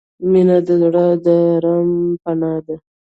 • مینه د زړه د آرام پناه ده.